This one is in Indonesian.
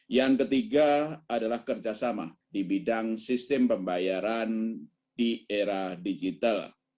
yang ketiga adalah kerjasama di bidang sistem pembayaran di era digital